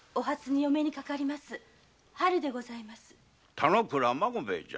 田之倉孫兵衛じゃ。